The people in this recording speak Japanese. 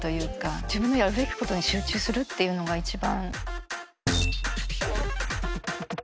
自分のやるべきことに集中するっていうのが一番。